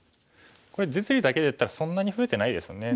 これ実利だけでいったらそんなに増えてないですよね。